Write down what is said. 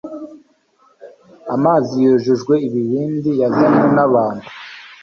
Amazi yujujwe ibibindi yazanywe n’abantu